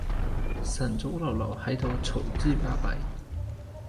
晨早流流喺度嘈之巴閉